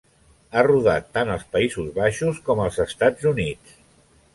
Ha rodat tant als Països Baixos com als Estats Units.